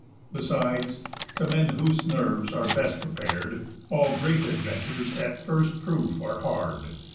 Besides, to men whose nerves are best prepar'd, _All great adventures at first proof are hard.